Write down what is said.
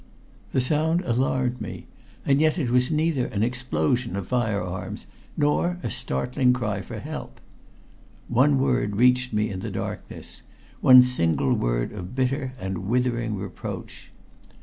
The sound alarmed me, and yet it was neither an explosion of fire arms nor a startling cry for help. One word reached me in the darkness one single word of bitter and withering reproach.